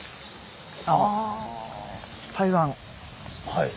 はい。